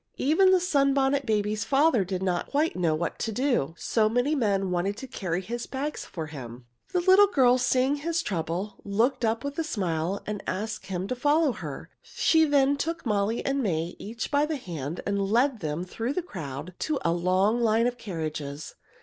Even the Sunbonnet Babies' father did not quite know what to do, so many men wanted to carry his bags for him. [Illustration: She took Molly and May each by the hand] The little girl, seeing his trouble, looked up with a smile and asked him to follow her. She then took Molly and May each by the hand and led them through the crowd to a long line of carriages.